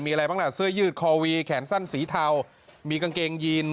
มีอะไรบ้างล่ะเสื้อยืดคอวีแขนสั้นสีเทามีกางเกงยีน